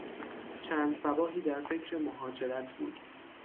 چند صباحی در فکر مهاجرت بود.